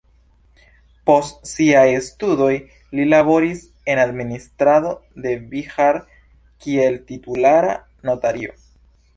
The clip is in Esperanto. Post siaj studoj li laboris en administrado de Bihar kiel titulara notario.